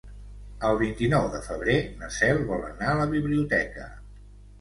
El vint-i-nou de febrer na Cel vol anar a la biblioteca.